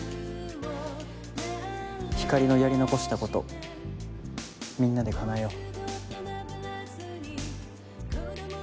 ひかりのやり残したことみんなで叶えよう。